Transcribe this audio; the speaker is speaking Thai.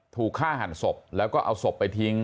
ถูกฆ่าหันศพแล้วก็เอาศพไปทิ้ง